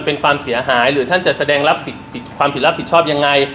เป็นความเสียหายหรือท่านจะแสดงรับผิดความผิดรับผิดชอบยังไง